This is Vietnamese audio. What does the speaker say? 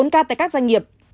bốn ca tại các doanh nghiệp